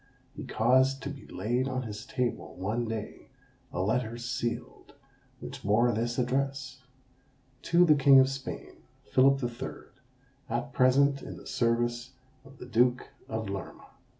He caused to be laid on his table, one day, a letter sealed, which bore this address "To the King of Spain, Philip the Third, at present in the service of the Duke of Lerma."